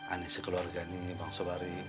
aneh si keluarga ini